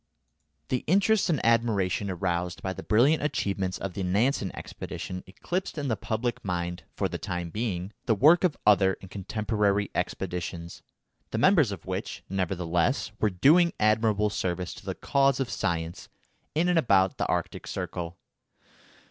The interest and admiration aroused by the brilliant achievements of the Nansen expedition eclipsed in the public mind, for the time being, the work of other and contemporary expeditions, the members of which, nevertheless, were doing admirable service to the cause of science in and about the Arctic Circle.